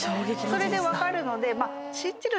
それで分かるので。